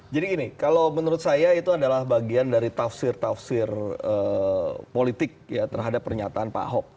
jadi gini kalau menurut saya itu adalah bagian dari tafsir tafsir politik ya terhadap pernyataan pak ahok